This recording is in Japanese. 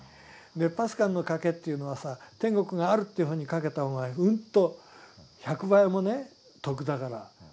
「パスカルの賭け」というのはさ天国があるという方に賭けた方がうんと１００倍もね得だから私は賭けたっていう。